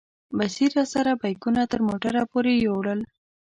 بصیر راسره بیکونه تر موټره پورې یوړل.